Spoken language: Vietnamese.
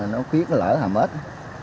nó khuyết lở hàm ếch